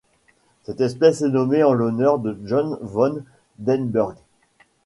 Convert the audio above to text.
Cette espèce est nommée en l'honneur de John Van Denburgh.